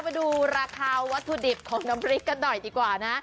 มาดูราคาวัตถุดิบของน้ำพริกกันหน่อยดีกว่านะ